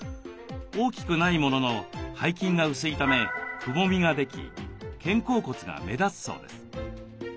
大きくないものの背筋が薄いためくぼみができ肩甲骨が目立つそうです。